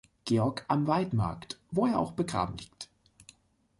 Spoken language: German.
Georg am Waidmarkt, wo er auch begraben liegt.